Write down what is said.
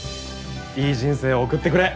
いい人生を送ってくれ。